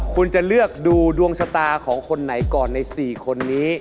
คุณจะเลือกดูดวงชะตาของคนไหนก่อนใน๔คนนี้